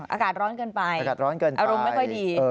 อากาศร้อนเกินไปอารมณ์ไม่ค่อยดีอากาศร้อนเกินไป